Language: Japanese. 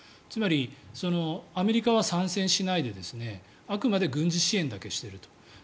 つまり、アメリカは参戦しないであくまで軍事支援だけしていると。